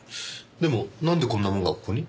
でもなんでこんなものがここに？